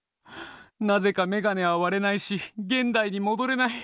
なぜかメガネは割れないし現代に戻れない。